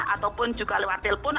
ataupun juga lewat telepon